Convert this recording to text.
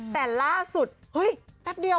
แต่ล่าสุดเฮ้ยแป๊บเดียว